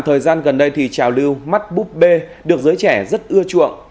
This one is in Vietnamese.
thời gian gần đây thì trào lưu mắt búp bê được giới trẻ rất ưa chuộng